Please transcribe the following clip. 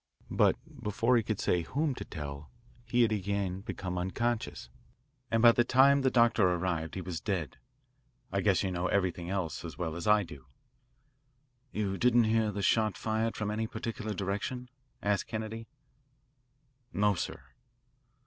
But before he could say whom to tell he had again become unconscious, and by the time the doctor arrived he was dead. I guess you know everything else as well as I do." "You didn't hear the shot fired from any particular direction?" asked Kennedy. "No, sir."